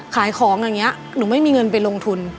ขายของอย่างนี้หนูไม่มีเงินไปลงทุน